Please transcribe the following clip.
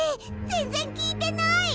全然きいてない！